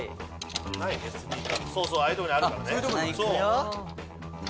そうそうああいうとこにあるからね。